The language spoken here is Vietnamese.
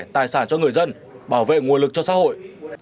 tài sản cho người dân bảo vệ nguồn lực cho xã hội